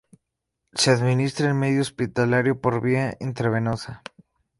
Se administra en medio hospitalario por vía intravenosa.